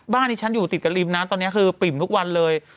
ที่ฉันอยู่ติดกับริมนะตอนนี้คือปริ่มทุกวันเลย